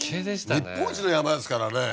日本一の山ですからね。